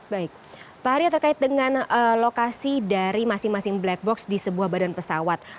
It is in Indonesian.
baik pak aryo terkait dengan lokasi dari masing masing black box di sebuah badan pesawat